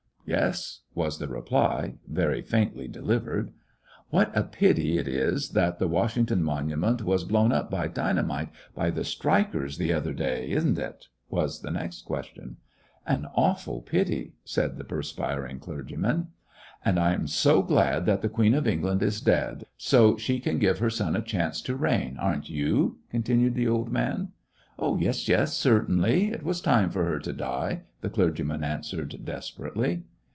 "Yes," was the reply, very faintly delivered. "What a pity it is that the Washington Monument was blown up by dynamite by the strikers, the. other day, is n't it!" was the next question. "An awful pity," said the perspiring clerg3rman. 140 lyUssionary in i^ Great West ^^ And I am so glad that the Queen of Eng land is dead, so she can give her son a chance to reign ; are n't you! " continued the old man. "Yes, yes, certainly ; it was time for her to die," the clergyman answered desperately.